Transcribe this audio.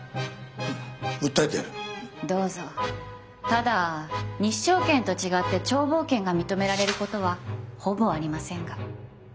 ただ日照権と違って眺望権が認められることはほぼありませんが。